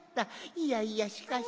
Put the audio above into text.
いやいやしかし。